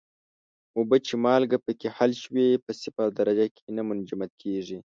اوبه چې مالګه پکې حل شوې په صفر درجه کې نه منجمد کیږي.